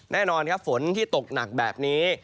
แน่นอนครับฝนที่ตกหนักแบบนี้